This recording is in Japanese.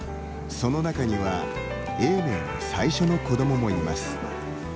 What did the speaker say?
その中には永明の最初の子どももいます。